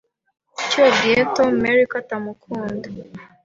Kuki wabwiye Tom Mary ko atamukunda?